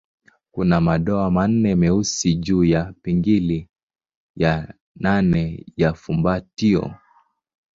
Kuna madoa manne meusi juu ya pingili ya nane ya fumbatio.